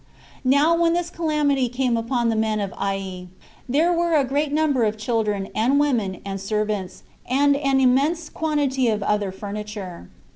Now when this calamity was come upon the men of Ai, there were a great number of children, and women, and servants, and an immense quantity of other furniture.